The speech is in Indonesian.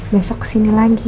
besok kesini lagi